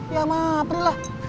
ya sama april lah